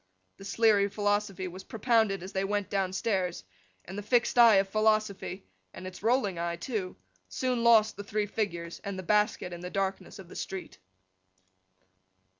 The Sleary philosophy was propounded as they went downstairs and the fixed eye of Philosophy—and its rolling eye, too—soon lost the three figures and the basket in the darkness of the street.